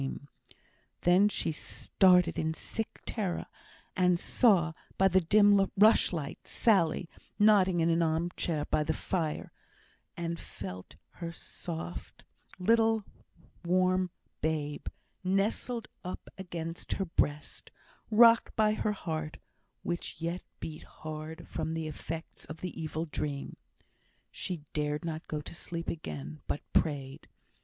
Then she started in sick terror, and saw, by the dim rushlight, Sally, nodding in an arm chair by the fire; and felt her little soft warm babe, nestled up against her breast, rocked by her heart, which yet beat hard from the effects of the evil dream. She dared not go to sleep again, but prayed.